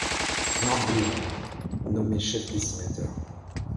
Noorduyn, nommé chef dessinateur.